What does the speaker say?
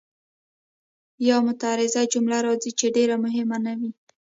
یا معترضه جمله راځي چې ډېره مهمه نه وي.